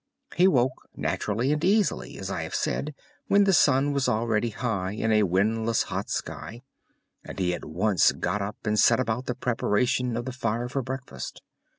He woke naturally and easily, as I have said, when the sun was already high in a windless hot sky, and he at once got up and set about the preparation of the fire for breakfast.